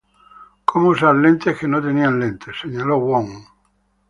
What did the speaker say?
Como usar lentes que no tenían lentes", señaló Wong.